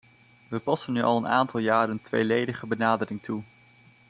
We passen nu al een aantal jaar een tweeledige benadering toe.